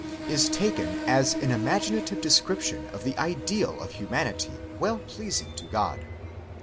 is taken as an imaginative description of the ideal of humanity well pleasing to God.